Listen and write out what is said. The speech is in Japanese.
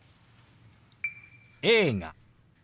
「映画」。